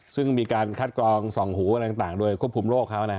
ซึ่งมีการคัดกรองส่องหูอะไรต่างด้วยควบคุมโรคเขา